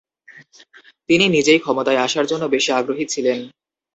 তিনি নিজেই ক্ষমতায় আসার জন্য বেশি আগ্রহী ছিলেন।